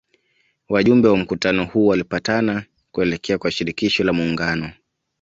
Wajumbe wa mkutano huu walipatana kuelekea kwa Shirikisho la muungano